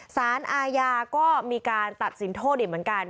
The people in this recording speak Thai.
สารอาญาก็มีการตัดสินโทษอีกเหมือนกัน